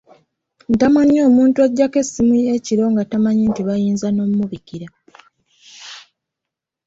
Ntamwa nnyo omuntu aggyako essimu ye ekiro nga tamanyi nti bayinza n'ommubikira.